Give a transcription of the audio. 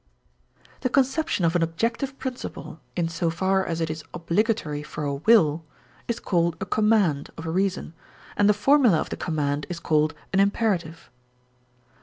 The conception of an objective principle, in so far as it is obligatory for a will, is called a command (of reason), and the formula of the command is called an imperative.